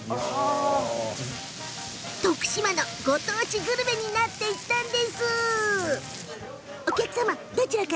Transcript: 徳島のご当地グルメになっていったんです。